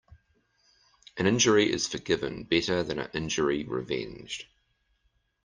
An injury is forgiven better than an injury revenged.